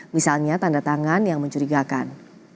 misalnya tanda tangan yang mencurigakan